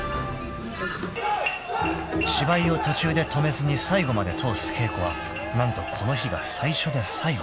［芝居を途中で止めずに最後まで通す稽古は何とこの日が最初で最後］